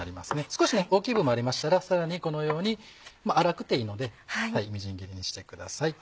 少し大きい部分ありましたらさらにこのように粗くていいのでみじん切りにしてください。